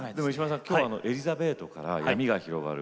「エリザベート」から「闇が広がる」